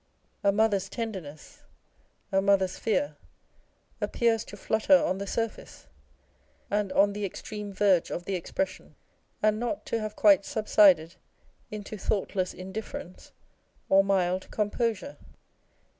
A mother's tenderness, a mother's fear, appears to "flutter on the surface, and on the extreme verge of the expression, and not to have quite subsided into thoughtless indifference or mild composure.